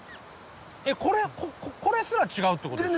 えっこれすら違うってことですか？